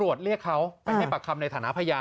ส่วนบุคคลที่จะถูกดำเนินคดีมีกี่คนและจะมีพี่เต้ด้วยหรือเปล่า